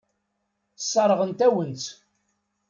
Sseṛɣent-awen-tt.